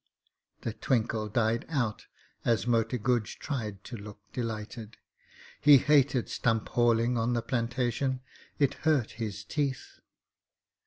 The twinkle died out as Moti Guj tried to look delighted. He hated stump hauling on the plantation. It hurt his teeth.